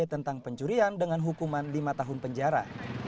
tentang pencurian dengan hukuman lima tahun penjara